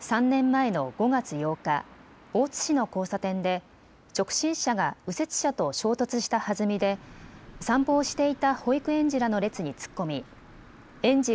３年前の５月８日、大津市の交差点で直進車が右折車と衝突した弾みで散歩をしていた保育園児らの列に突っ込み園児